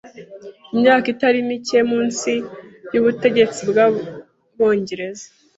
imyaka itari mike munsi y’ubutegetsi bw’Abongereza